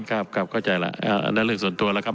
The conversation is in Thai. ครับครับเข้าใจแล้วอันนั้นเรื่องส่วนตัวแล้วครับ